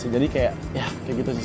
jadi kayak gitu sih